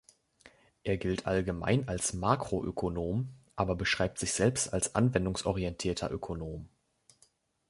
Er gilt allgemein als Makroökonom, aber beschreibt sich selbst als „anwendungsorientier Ökonom“.